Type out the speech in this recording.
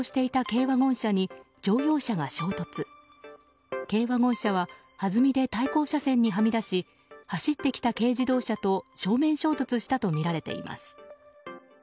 軽ワゴン車ははずみで対向車線にはみ出し走ってきた軽自動車と正面衝突したとみられています。